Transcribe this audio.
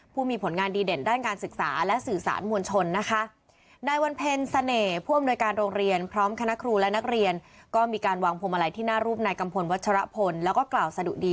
ผู้มีผลงานดีเด่นด้านการศึกษาและสื่อสารมวลชนนะคะ